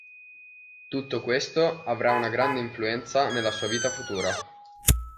Tutto questo avrà una grande influenza nella sua vita futura.